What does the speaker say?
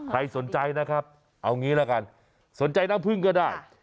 ใครสนใจนะครับเอางี้ละกันสนใจน้ำผึ้งก็ได้